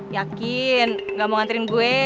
yakin gak mau nganterin gue